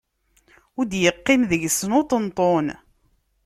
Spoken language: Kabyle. Ur d-iqqim deg-sen uṭenṭun.